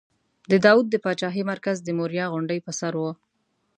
د داود د پاچاهۍ مرکز د موریا غونډۍ پر سر و.